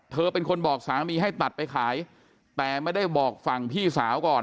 เธอเป็นคนบอกสามีให้ตัดไปขายแต่ไม่ได้บอกฝั่งพี่สาวก่อน